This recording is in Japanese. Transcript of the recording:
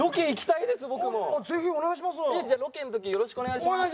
えっじゃあロケの時よろしくお願いします。